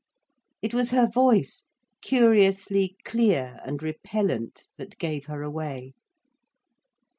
It was her voice, curiously clear and repellent, that gave her away.